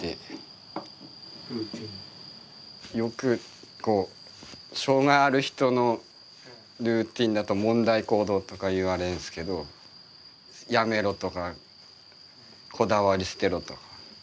よくこう障害ある人のルーティンだと問題行動とか言われるんですけどやめろとかこだわり捨てろとか。